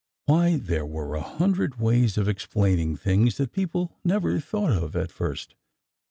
Why, there were a hundred ways of explaining things that people never thought of at first!